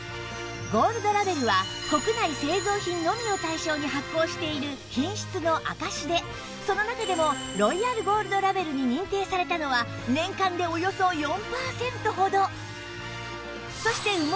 ゴールドラベルは国内製造品のみを対象に発行している品質の証しでその中でもロイヤルゴールドラベルに認定されたのは年間でおよそ４パーセントほど